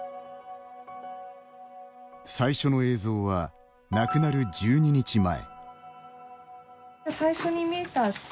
最初の映像は亡くなる１２日前。